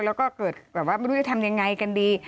แล้วก็เกิดแบบว่าไม่รู้จะทำยังไงกันดี